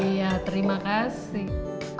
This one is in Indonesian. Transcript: iya terima kasih